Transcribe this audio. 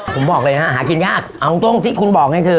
ผมบอกเลยนะฮะหากินยากเอาตรงที่คุณบอกนี่คือ